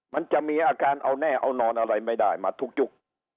มันจะมีอาการเอาแน่เอานอนอะไรไม่ได้มาทุกยุค